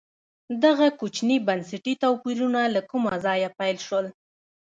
دغه کوچني بنسټي توپیرونه له کومه ځایه پیل شول.